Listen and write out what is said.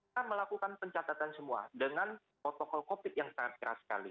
kita melakukan pencatatan semua dengan protokol covid yang sangat keras sekali